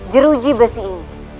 jeruji besi ini